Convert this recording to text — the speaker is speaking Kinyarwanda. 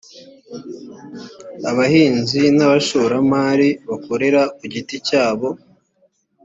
abahinzi n’abashoramari bikorera ku giti cyabo